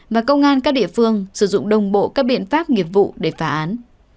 và công an các địa phương sử dụng đồng bộ các biện pháp nghiệp vụ để phá án